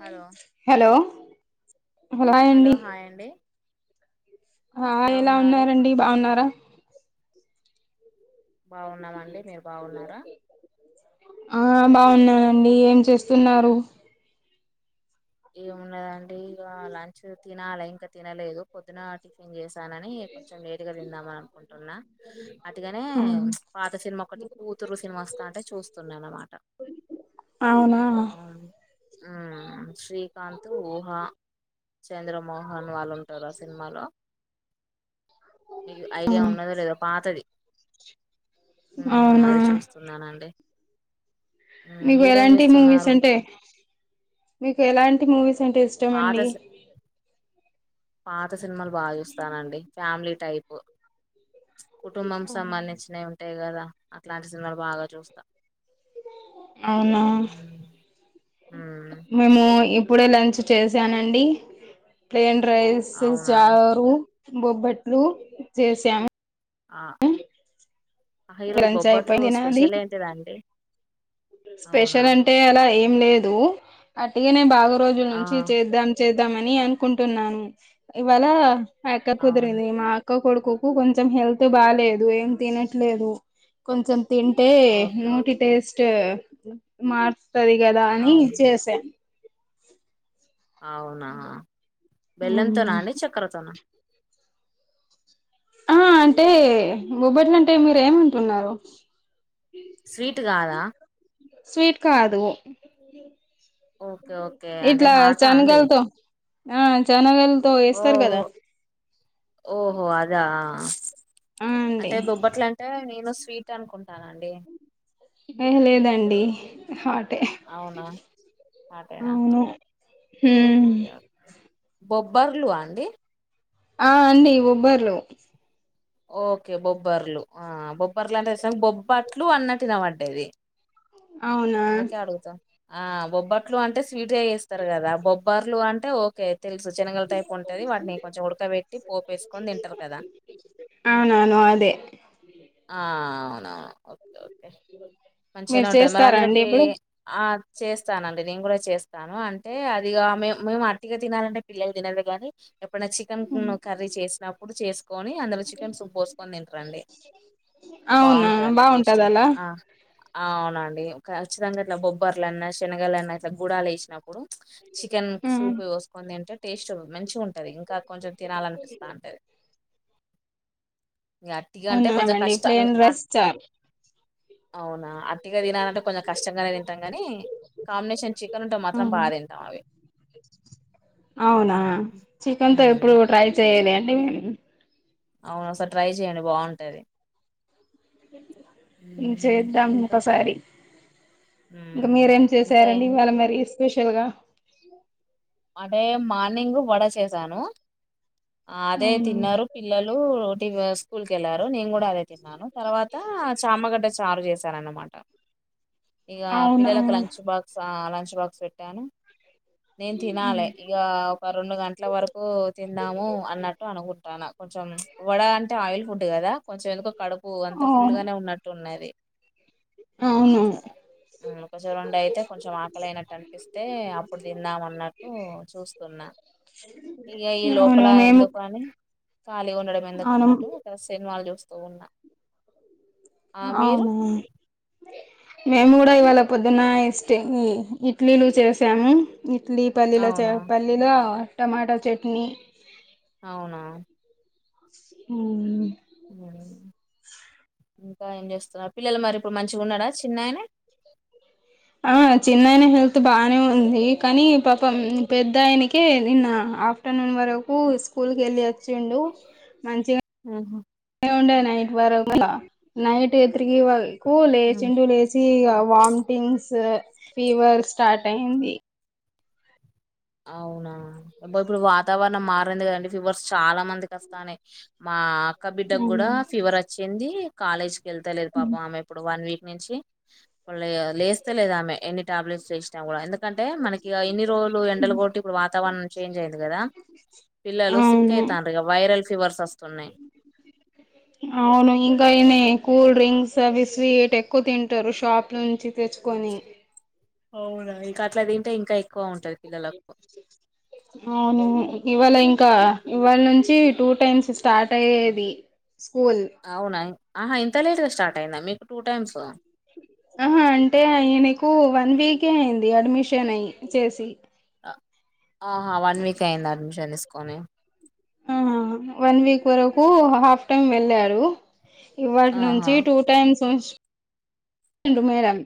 Hello hello hi అండి hello hi అండి ఆ ఎలా ఉన్నారండి బాగున్నారా బాగున్నామండి మీరు బాగున్నారా ఆ బాగున్నానండి ఏం చేస్తున్నారు ఏముండదండి ఇగా లంచ్ తినాలలే ఇంకా తినలేదు పొద్దున టిఫిన్ చేసానని కొంచెం లేటు గా తిందామని అనుకుంటున్నా అటీగానే పాత సినిమా ఒకటి కూతురు సినిమా వస్తా అంటే చూస్తున్నాను అనమాట అవునా ఉ శ్రీకాంత్ ఊహా చంద్రమోహన్ వాళ్ళు ఉంటారు ఆ సినిమాలో మీకు ఐడియా ఉన్నదో లేదో పాతది ఉమ్, అవునా అది చూస్తున్నానండి ఉమ్, మీకు మీరేం ఎలాంటి మూవీస్ చేస్తున్నారు అంటే మీకు ఎలాంటి మూవీస్ అంటే ఇష్టం పాత అండి సి- పాత సినిమాలు బాగా చూస్తానండి ఫ్యామిలీ టైప్ కుటుంబం సంబంధించినవి ఉంటాయి కదా అట్లాంటి సినిమాలు బాగా చూస్తాం అవునా మ్మ్ మేము ఇప్పుడే లంచ్ చేసానండి ప్లెన్ రైస్ అవునా చారు బొబ్బట్లు చేసాం ఆ ఈరోజు లంచ్ బొబ్బట్లు అయిపోయింది నాది స్పెషల్ ఏంటిదండి అవునా స్పెషల్ అంటే అలా ఏం లేదు అట్టిగానే బాగా రోజుల ఆ నుంచి చేద్దాం చేద్దామని అనుకుంటున్నాను ఇవాళ అక్క అవును కుదిరింది మా అక్క కొడుకుకు కొంచెం హెల్త్ బాలేదు ఏం తినట్లేదు కొంచెం తింటే ఓకే ఓకే నోటి టేస్ట్ మారుతుంది కదా అని అవును చేసాం అవునా బెల్లంతోన అండి చక్కెరతోన ఆ అంటే బొబ్బట్లుంటే మీరు ఏమంటున్నారు స్వీట్ కాదా స్వీట్ కాదు ఓకే ఓకే అంటే ఇట్లా హార్టా అండి శనగలతో ఆ ఛానల్ ఓహో ఓహో అదా ఆ అంటే అండి బొబ్బట్లు అంటే నేను స్వీట్ అనుకుంటానండి ఏ లేదండి హటే అవునా హాటేనా అవును ఊ ఓకే ఓకే బొబ్బర్లు అండి ఆ అండి బొబ్బర్లు ఓకే బొబ్బర్లు ఆ బొబ్బర్లు అంటే బొబ్బట్లు అన్నట్టు ఇనపడ్డది అవునా అందుకే అడుగుతాం ఆ బొబ్బట్లు అంటే స్వీట్గా చేస్తారు కదా బొబ్బర్లు అంటే ఓకే తెలుసు శనగల టైప్ ఉంటది వాటిని కొంచెం ఉడకబెట్టి పోపేసుకొని తింటారు కదా అవును అవును అదే ఆ అవునవును ఓకే ఓకే మంచిగానే మీరు ఉంటుంది మరి చేస్తారా అందులో అండి ఇప్పుడు ఆ చేస్తానండి నేను కూడా చేస్తాను అంటే అదిగా మేము మేము అట్టిగా తినాలంటే పిల్లలు తినరు గానీ తినదు ఎప్పుడనా చికెన్ హ్మ్. కర్రీ చేసినప్పుడు చేసుకొని అందులో చికెన్ సూప్ పోసుకొని తింటారండి అవునా బాగుంటది అట్లా బాగుంటద టేస్ట్ అలా ఉంటది ఆ అవునండి ఖచ్చితంగా ఇట్లా బొబ్బర్లున్నా శనగలన్నా ఇట్లా గుడాల వేసినప్పుడు ఇప్పుడు చికెన్ హ్మ్. సూప్ పోసుకోంది అంటే టేస్ట్ మంచి ఉంటు ఇంకా కొంచెం తినాలనిపిస్తా ఉంటది ఇకా ఇంకా అంటే కొంచెం అవునామండి కష్టంగా ప్లేన్ రైస్ చారు అవునా అటిగా తినాలంటే కొంచెం కష్టంగానే తింటాం గాని కాంబినేషన్ చికెన్ ఉంటే మాత్రం అవును. బా తింటాం అవి అవునా చికెన్ తో ఉమ్ ఎప్పుడు ట్రై చేయాలి అంటే మ అవును ఒక్కసారి ట్రై చెయండి బాగుంటాది ఇ ఉమ్, చేద్దాం ఇంకా ఇంకోసారి ఇంకా ఉమ్ మీరేం ఇంకా చేసారండి ఏం ఇవాళ మరి స్పెషల్ గా అంటే మార్నింగ్ వడ చేశాను అదే అవునా తిన్నారు పిల్లలుటి స్కూల్ కేళ్ళారు నేను కూడా అదే తిన్నాను తర్వాత చామగడ్డ చారు చేసారనమాట ఇక అవునా పిల్లలకు లంచ్ బాక్స్ లంచ్ బాక్స్ పెట్టాను నేను హ్మ్. తినాలి ఇక ఒక రెండు గంటల వరకు తిన్ దాము అన్నట్టు అనుకుంటాను కొంచెం వడ అంటే ఆయిల్ ఫుడ్ కదా కొంచెం ఎందుకు కడుపు అంత అవును ఫుల్గానే ఉన్నట్టు ఉన్నది ఆ అవును. అట్లా ఒక చి రెండు అయితే కొంచెం ఆకలినట్టు అనిపిస్తే అప్పుడు తిందామ అన్నట్టు చూస్తున్నా ఇకా ఈ లో అవును మేము ఎందుకని ఖాళీ ఉండడం ఎందుకు అవును అన్నట్టు ఇ సినిమాలు చూస్తూ ఉన్నా ఆ మీరు అవునవును మేము కూడా ఇవాళ పొద్దున ఇస్ట ఇడ్లీలు చేసాము ఇడ్లీ పల్లీల అవునా పల్లీలో టమాటా చట్నీ అవునా ఆ ఇంకా ఏం చేస్తున్నారు పిల్లలు మరి ఇప్పుడు మంచిగా ఉన్నాడా చిన్నయనే ఆ చిన్నయిన హెల్త్ బానే ఉంది కానీ పాపం పెద్దయనకే నిన్న ఆఫ్టర్నూన్ వరకు స్కూల్కి వెళ్ళి వచ్చిండు మంచిగా ఆహ ఉండ నైట్ వర నైట్ ఎతుకి కూలే ఉమ్ లేచిండు లేచి జీగా వామిటింగ్స్ ఫీవర్ స్టార్ట్ అయింది అవునా ఇప్పుడు వాతావరణం మారింది కదండి ఫీవర్స్ చాలా మందికి వస్తాన్నాయి మా అక్క బిడ్డకు కూడా అవును ఫీవర్ వచ్చింది కాలేజ్ కీ వెళ్తాలేదు పాప ఆమె ఇప్పుడు వన్ వీక్ నుంచి వాళ్ళ లేస్తే లేదు ఆమె ఎన్ని టాబ్లెట్స్ లేసినా కూడా అంటే మనకి ఎన్ని రోజులు ఎ ఎండలు కోటి ఇప్పుడు వాతావరణం చేంజ్ అయింది కదా పిల్లలు సిక్ అవును అవుతారు ఇ వైరల్ ఫీవర్స్ వస్తున్నా అవును ఇంకా అనే కూల్ డ్రింక్స్ అవి స్వీట్ ఎక్కువ తింటారు షాప్ నుంచి తెచ్చుకొని అవునా ఇంక అట్లా తింటే ఇంకా ఎక్కువ ఉంటది పిల్లలకు అవును ఇవాళ ఇంకా ఇవాళ నుంచి టూ టైమ్స్ ఇ స్టార్ట్ అయ్యేది స్కూల్ అవునా ఆహా ఇంత లేట్గా స్టార్ట్ అయిందా మీకు టూ టైమ్స్ ఆహా అంటే ఆయ నకు వన్ వీకే అయింది అడ్మిషన్ అయ చేసి ఆహా వన్ వీక్ అయింది అడ్మిషన్ తీసుకొని ఆ వన్ వీక్ వరకు హాఫ్ టైమ్ వెళ్ళారు ఇవాటి ఆహా నుంచి టూ టైమ్స్ వస్తుండు మేడం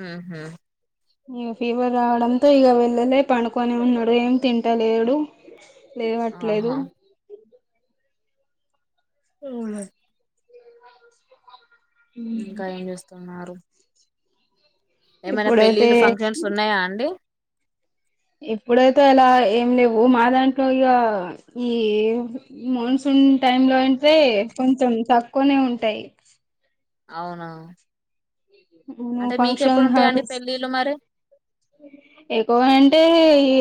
మ్ హ న ఫీవర్ ఆవడంత ఇగ వెళ్ళలే పనుకొనే ఉన్నాడు ఏం తింటలేడు లేవట్లేదు ఆహా అ ఇంకా ఏమి చేస్తున్నారు ఏమైనా ఇప్పుడైతే పెళ్ళిళ్ళ ఫంక్షన్స్ ఉన్నాయా అండి ఇప్పుడైతే ఇలా ఏం లేవు మా దాంట్లో ఇక ఈ మాన్సూన్ టైమ్ లో అంటే కొంచెం తక్కువనే ఉంటాయి అవునా అ అంటే మీకు ఫంక్షన్ హ ఎప్పుడుంటాయండి పెళ్ళిళ్ళు మరి ఎక్కువ అంటే ఈ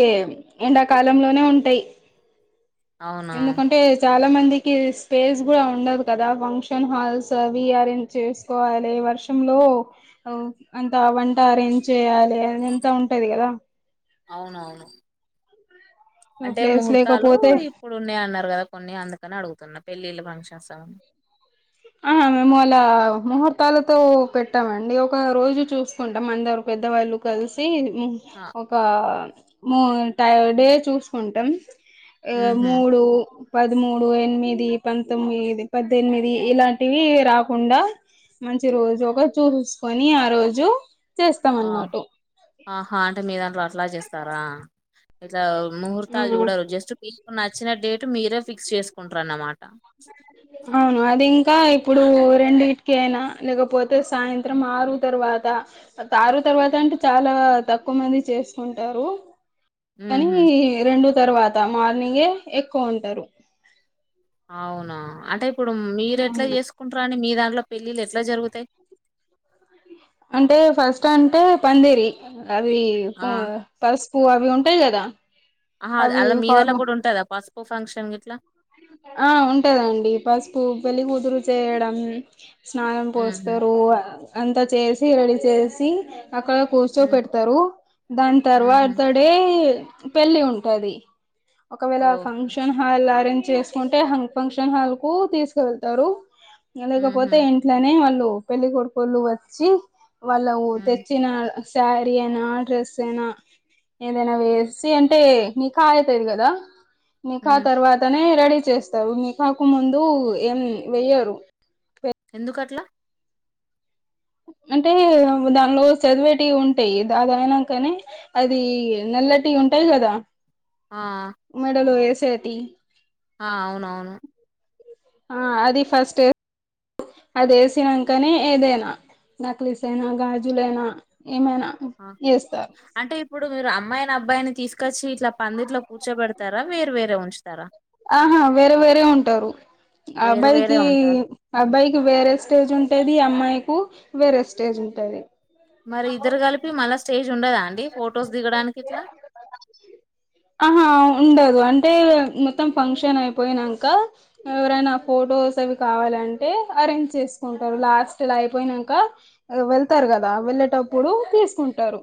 ఎండాకాలంలోనే ఉంటాయి అవునా ఎందుకంటే చాలా మందికి స్పేస్ కూడా ఉండదు కదా ఫంక్షన్ హాల్స్ అవి అరేంజ్ చేసి కోవాలి వర్షంలో అ అంత వంట అరేంజ్ చేయాలి అవి అంత ఉంటది కదా అవునవును అంటే ప్లేస్ ముహూర్తాలు లేకపోతే ఇప్పుడున్నాయి అన్నారు కదా కొన్ని అందుకని అడుగుతున్నా పెళ్ళిళ్ళ ఫంక్షన్ అవి అన్ని ఆ మేము అలా ముహూర్తాలతో పెట్టమండి ఒక రోజు చూసుకుంటాం అందరు పెద్దవాళ్ళు కలిసి ఆ ఒక మూ టై డే చూసుకుంటాం ఉహు మూడు పదమూడు ఎనిమిది పంతొమ్మిది పద్దెనిమిది ఇలాంటివి రాకుండా మంచి రోజు ఒగ చూసేసుకొని ఆ రోజు చేస్తాం అన్నామాట ఆహా అంటే మీ దాంట్లో అట్లా చేస్తారా ఇట్లా ముహూర్తాలు ఆ చూడరు జస్ట్ నచ్చిన డేట్ మీరే ఫిక్స్ చేసుకుంటరన్నమాట అవును అది ఇంకా ఇప్పుడూ రెండిటికేనా లేకపోతే సాయంత్రం ఆరు తర్వాత ఆరు తర్వాత అంటే చాలా తక్కువ మంది చేసుకుంటారు కానీ ఉహు రెండు తర్వాత మార్నింగే ఎక్కువ ఉంటారు అవునా అంటే ఇప్పుడు మీరు ఎట్లా అవును చేసుకుంటారండి మీ దాంట్లో పెళ్ళిళ్ళ ఎట్లా జరుగుతాయి అంటే ఫస్ట్ అంటే పందిరి అవి ఆ పసుపు అవి ఉంటాయి కదా ఆహా అవి అలా మీదల్లా ఫార్మ కూడా ఉంటదా పసుపు ఫంక్షన్ గిట్లా ఆ ఉంటదండి పసుపు పెళ్లికూతురు చేయడం స్నానం ఉహు పోస్తారు అంతా చేసి రెడీ చేసి అక్కడ కూర్చో ఉమ్ పెడతారు దాని ఉహు తర్వాత డే పెళ్ళి ఉంటది ఒకవేళ ఓకే ఫంక్షన్ హాల్ అరంజ్ చే టె ఫంక్షన్ హాల్ కు తీసుకువెళ్తారు ఉహు లేకపోతే ఎ ఇంట్లనే వాళ్ళు పెళ్లి కొడుకోళ్లు వచ్చి వాళ్ళు ఉమ్ తెచ్చిన సారీ అయినా డ్రెస్ ఐనా ఏదైనా వేసి అంటే నికాయయితది కదా నిఖా ఉమ్ తర్వాతనే రెడీ చేస్తారు నిఖాకు ముందు ఏం వెయ్యరు ఎందుకట్లా అంటే దానిలో చదివేటి ఉంటయ్ దాదయినాకంనే అది నల్లటియ్ ఉంటాయ్ గదా ఆ మెడలో ఏసేటి ఆ అవునవును ఆ అది ఫస్ట్ అదేసినంకనే ఏదైనా నక్లీస్ అయినా గాజులైనా ఏమైనా అ చేస్తారు అంటే ఇప్పుడు మీరు అమ్మాయిన్ అబ్బాయిన్ తీసుకొచ్చి ఇట్లా పందిట్లో కూర్చోబెడతారా మీరు వేరే ఉంచుతారా ఆహా వేరే వేరే ఉంటారు అ వేరే వేరే అబ్బాయికి ఉంటా అబ్బాయికి వేరే స్టేజ్ ఉంటది అమ్మాయి కు వేరే స్టేజ్ ఉంటది మరి ఇద్దరు గలిపి మళ్ళ స్టేజ్ ఉండదా అండి ఫొటోస్ దిగడానికిట్లా అహా ఉండదు అంటే మొత్తం ఫంక్షన్ అయిపోయినంక ఎవరైనా ఫొటోస్ అవి కావాలంటే అరేంజ్ చేసుకుంటారు లాస్ట్ ల అయిపోయినంక అదె వెళ్తారు గదా వెళ్ళేటప్పుడు తీసుకుంటారు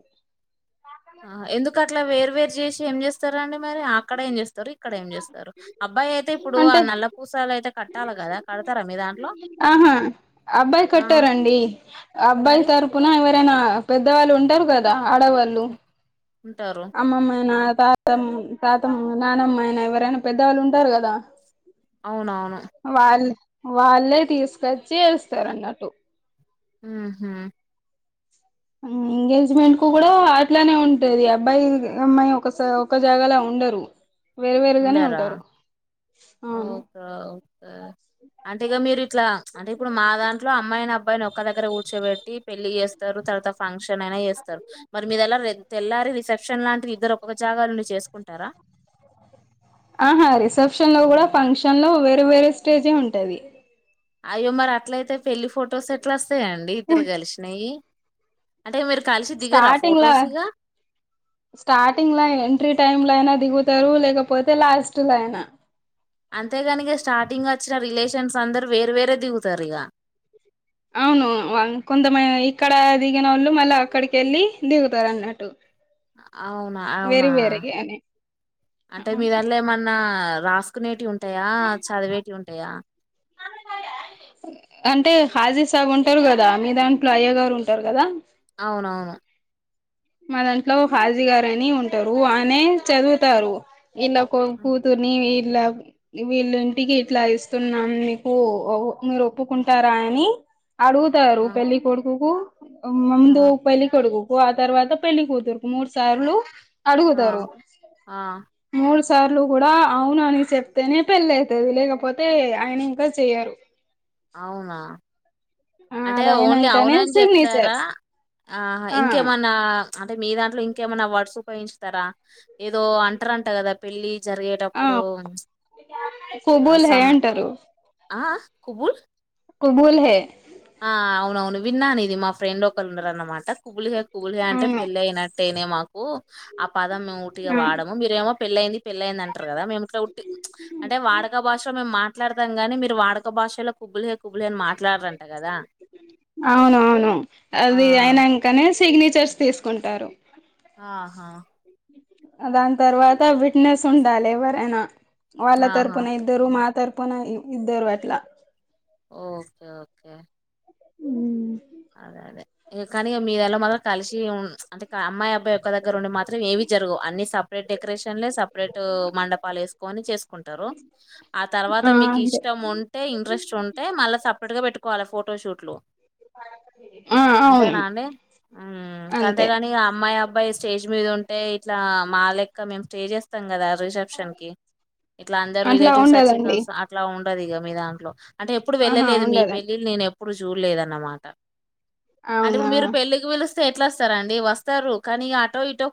ఆహ ఎందుకట్లా వేర్ వేరు చేసి ఏం చేస్తారాండి మరి ఆక్కడ ఏం చేస్తరు అక్కడ ఏం చేస్తారు అబ్బాయయితే ఇప్పుడు ఆ అంటే నల్ల పూసలయితే కట్టాలే గదా కడతారా మీ దాంట్లో ఆహా ఆబ్బాయ్ ఆ కట్టరండి అ అబ్బాయి మరి తరుప్ కున ఎవరైనా పెద్దవాళ్ళుంటారు గదా ఆడవాళ్ స ఉంటారు అమ్మమ్మయిన తాతమ్ తాతమ్ నానమ్మయిన ఎవరైనా పెద్దవాళ్ళుంటారు గదా అవునవును వాళ్ వాళ్ళే తీసుకొచ్చి ఏస్తారన్నట్టు ఊ హు ఉ ఎంగేజ్మెంట్ కు గుడా అట్ ట్లానే ఉంటది అబ్బాయి అమ్మాయి ఒక ఒక జాగాలా ఉండరు వేరు వేరుగానే ఉంటారు అవును ఓక ఓకే అంటీగా మీరిట్లా అంటే ఇప్పుడు మా దాంట్లో అమ్మాయిన్ అబ్బాయిన్ ఒక్క దగ్గర కూర్చోబెట్టి పెళ్లి చేస్తారు తర్వాత ఫంక్షన్ అయినా చేస్తరు మరి మీదెలా రెర్ తెల్లారి రిసెప్షన్ లాంటివి ఇద్దరు ఒక్కక్క జాగాల్ నుండి చేసుకుంటారా ఆహా రిసెప్షన్ లో గుడా ఫంక్షన్ లో వేరే వేరే స్టేజే ఉంటది అయ్యో మరట్లయితే పెళ్లిి ఫొటోస్ ఎట్లోస్తాయండి ఇద్దరు కలిశినయి అంటే మీరు కలిశి దిగరా స్టార్టింగ్ లా ఫొటోస్ ఇగ స్టార్టింగ్ ల ఎంట్రీ టైమ్ లో అయినా దిగుతరు లేకపోతే లాస్ట్ లయినా అంతేగానిగ స్టార్టింగ్ అచ్చిన రిలేషన్స్ అందరు వేరు వేరే దిగుతరిగా అవును వ కొంతమ ఇక్కడ దిగినోళ్ళు మళ్ళ అక్కడికెళ్ళి దిగుతారన్నట్టు అవునా అవునా వేరేగా అని అంటే అవును మీదాంట్లో ఏమన్ న్నా రాసుకునేటివుంటాయా చదివేటివుంటయా అంటే హాజీ సాబ్ ఉంటరు గదా మీ దాంట్లో అయ్యా గారు ఉంటరు గదా అవునవును మా దంట్లో హాజీ గారని ఉంటారు ఆయనే చదువుతారు ఇల్లా కో కూతురు ని వీళ్ళ వీళ్ళ ఇంటికి ఇట్లా ఇస్తున్నాం మీకు మీరు ఒప్పుకుంటారా అని అడుగుతారు ఆ పెల్లికొడుకుకు మ్ ముందు ఆ పెల్లికొడుకుకు తర్వాత పెళ్లి కూతురు మూడు సార్లు అడుగుతారు ఆ మూడు సార్లు కూడా అవునని చెప్తేనే పెళ్ళ అయితది లేకపోతే ఆయన ఇంకా చెయరు అవునా ఆ అంటే అది ఓన్లీ అయినంకనే అవునని చెప్తారా సిగ్నేచర్స్ ఆ ఇంకేమనా అంటే మీ దాంట్లో ఇంకేమైనా వర్డ్స్ ఉపయోగించుతరా ఏదో అంటారంట కదా పెళ్ళి జరిగే ఆ టప్పుడు కుబుల్ హే సం అంటారు ఆ కుబుల్ కుబూల్ హే ఆ అవునవును విన్నాను ఇది మా ఫ్రెండ్ ఒకళ్ళు ఉండరన్నమాట కుబుల్ హె కుబుల్ హై అంటే అవును పెళ్ళి అయినట్ నే మాకు ఆ పాదం మేము ఊటిగా ఆ వాడము మీరేమో పెళ్ళయింది పెళ్ళయిందంది అంటారు కదా మేము ఇట్లాట్టి అంటే వాడక భాషలో మేము మాట్లాడతాం కాగానీ మీరు వాడక భాషలో కుబుల్ హై కుబుల్ హె అనిమాట్లాడ్రని అవునవును ఆ అది అయినాకనే సిగ్నేచర్స్ తీసుకుంటారు ఆహా దాని తర్వాత విట్నెస్ ఉండాలి ఎవరైనా వాళ్ళ ఆహా తరపున ఇద్దరు మాతరపున ఇద్దరు అట్లా ఓకే ఓకే మ్ అదే అదే కానీ మీ దలో మాత్రం కలిసి అంటే అమ్మాయి అబ్బాయి యొక్క దగ్గర ఉండి మాత్రం ఏవి జరుగు అన్ని సపరేట్ డెకరేషన్లే సపరేట్ మండపాలు ఏసుకొని చేసుకుంటారు ఆ తర్వాత మీకు ఇష్టం ఉంటే ఇంట్రెస్ట్ ఉంటే మళ్ళా సపరేట్ గా పెట్టుకోవాలి ఫోటోషూట్లు ఆ అవును అంతేనా అండి మ్ అంతే అంతేగాని అమ్మాయి అబ్బాయి స్టేజ్ మీద ఉంటే ఇట్లా మా లెక్క మేము స్టేజెస్ కదా రిసెప్షన్ కి ఇట్లా అందరు అట్లా రిలేటివ్స్ వచ్చి ఉండదండి కలుస అట్లా ఉండదు ఇక మీ దాంట్లో అంటే ఎప్పుడు ఆహా వెళ్ళలేదు మీ ఉండదండి పెళ్ళిళ్లు నేను ఎప్పుడు చూడలేదు అన్నమాట. అంటే అవునా ఇప్పుడు మీరు పెళ్ళికి పిలిస్తే ఎట్లా వస్తారం అండి వస్తారు కానీ ఆటో ఇటో